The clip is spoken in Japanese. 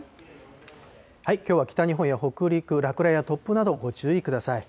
きょうは北日本や北陸、落雷や突風など、ご注意ください。